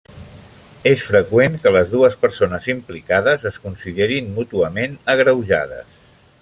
És freqüent que les dues persones implicades es considerin mútuament agreujades.